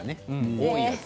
多いやつ。